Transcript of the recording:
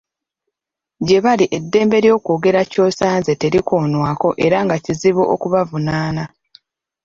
Gye bali eddembe ly'okwogera ky'osanze terikonwako era nga kizibu okubavunaana.